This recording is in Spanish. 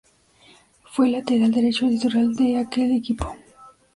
Fue el lateral derecho titular de aquel equipo.